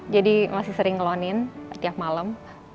jadi masih sering ngelonin setiap malam